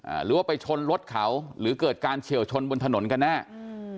หรือว่าไปชนรถเขาหรือเกิดการเฉียวชนบนถนนกันแน่อืม